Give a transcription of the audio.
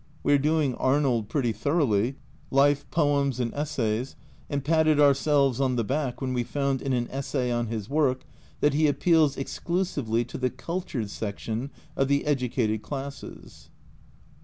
We are doing Arnold pretty thoroughly, life, poems, and essays, and patted ourselves on the back when we found in an essay on his work that he "appeals exclusively to the cultured section of the educated classes